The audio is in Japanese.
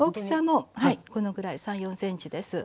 はいこのぐらい３４ｃｍです。